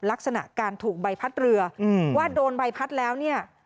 ลักษณะการถูกใบพัดเรือว่าโดนใบพัดแล้วเนี่ย